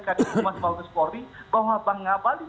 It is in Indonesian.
kadir pumas maulid spori bahwa bang gabalin